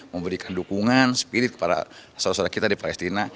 memberikan dukungan spirit kepada sosok sosok kita di palestina